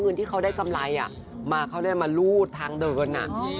เงินที่เขาได้กำไรมาเขาได้มารูดทางเดิน